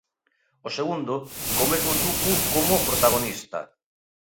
O segundo, co mesmo Tucu como protagonista.